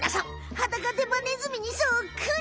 ハダカデバネズミにそっくり！